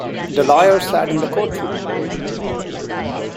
The lawyer sat in the courtroom.